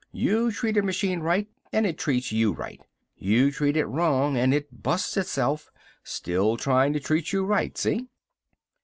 You treat a machine right and it treats you right. You treat it wrong and it busts itself still tryin' to treat you right. See?"